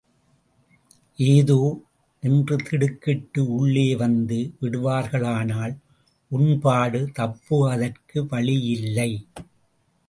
ஏதோ? என்று திடுக்கிட்டு உள்ளே வந்து விடுவார்களானால் உன்பாடு தப்புவதற்கு வழியில்லை.